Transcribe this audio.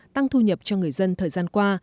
tăng thu nhập cho người dân thời gian qua